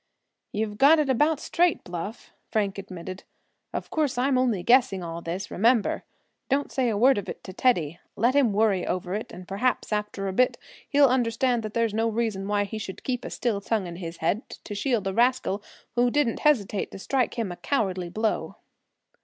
"You've got it about straight, Bluff," Frank admitted. "Of course, I'm only guessing all this, remember. Don't say one word of it to Teddy. Let him worry over it, and perhaps after a bit he'll understand that there's no reason why he should keep a still tongue in his head, to shield a rascal who didn't hesitate to strike him a cowardly blow."